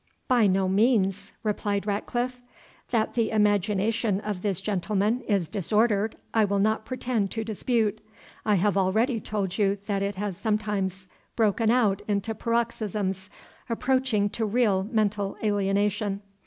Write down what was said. "By no means," replied Ratcliffe. "That the imagination of this gentleman is disordered, I will not pretend to dispute; I have already told you that it has sometimes broken out into paroxysms approaching to real mental alienation.